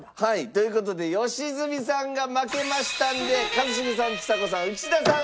という事で良純さんが負けましたんで一茂さんちさ子さん内田さん